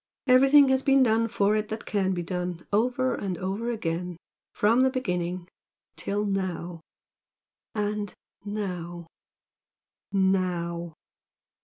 Everything has been done for it that can be done, over and over again, from the beginning till now, and now NOW!"